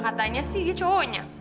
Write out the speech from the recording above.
katanya sih dia cowonya